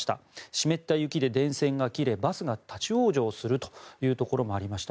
湿った雪で電線が切れバスが立ち往生するというところもありました。